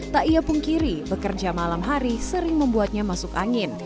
tak ia pungkiri bekerja malam hari sering membuatnya masuk angin